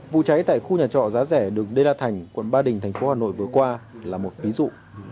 vụ cháy tại khu nhà trọ giá rẻ đường đê đa thành quận ba đình thành phố hà nội vừa qua là một ví dụ